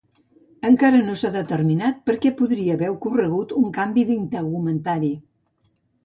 Encara no s'ha de determinar per què podria haver ocorregut un canvi d'integumentari.